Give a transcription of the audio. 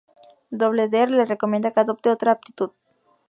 Doble D le recomienda que "adopte otra aptitud".